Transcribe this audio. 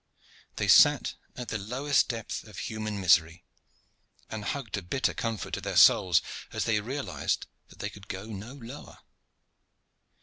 They sat at the lowest depth of human misery, and hugged a bitter comfort to their souls as they realized that they could go no lower.